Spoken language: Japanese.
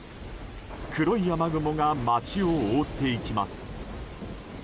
黒い雨雲が街を覆っていきます。